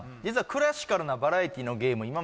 実はクラシカルなバラエティーのゲーム